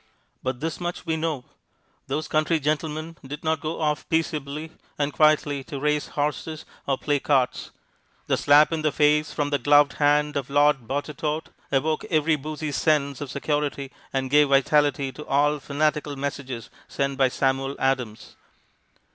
But this much we know: Those country gentlemen did not go off peaceably and quietly to race horses or play cards. The slap in the face from the gloved hand of Lord Boutetourt awoke every boozy sense of security and gave vitality to all fanatical messages sent by Samuel Adams.